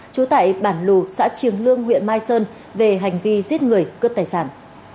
trú tại bản lù xã triềng lương huyện mai sơn về hành vi giết người cướp tài sản